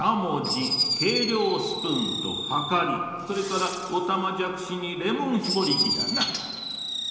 スプーンとはかりそれからおたまじゃくしにレモンしぼりきだな。